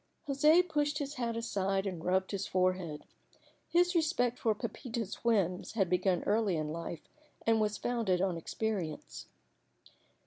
José pushed his hat aside and rubbed his forehead. His respect for Pepita's whims had begun early in life and was founded on experience.